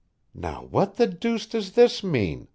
"Now what the deuce does this mean?"